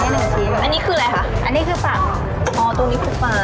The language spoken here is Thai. อ๋อตัวนี้คือปะ